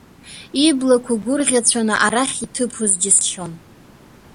Иблақәа гәырӷьацәаны арахь иҭыԥоз џьысшьон.